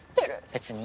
別に。